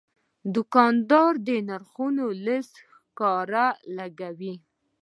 دوکاندار د نرخونو لیست ښکاره لګوي.